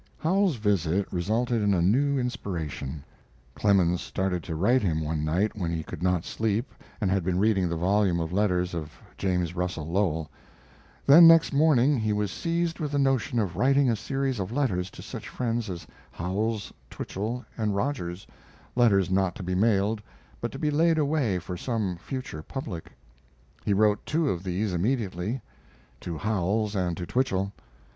Howells's visit resulted in a new inspiration. Clemens started to write him one night when he could not sleep, and had been reading the volume of letters of James Russell Lowell. Then, next morning, he was seized with the notion of writing a series of letters to such friends as Howells, Twichell, and Rogers letters not to be mailed, but to be laid away for some future public. He wrote two of these immediately to Howells and to Twichell.